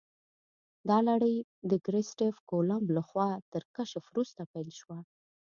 دا لړۍ د کریسټف کولمب لخوا تر کشف وروسته پیل شوه.